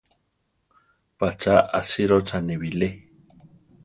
¿Pa cha asírochane bilé?